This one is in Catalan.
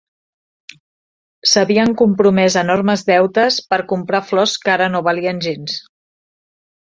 S'havien compromès enormes deutes per comprar flors que ara no valien gens.